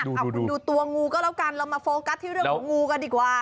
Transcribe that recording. เอาคุณดูตัวงูก็แล้วกันเรามาโฟกัสที่เรื่องของงูกันดีกว่า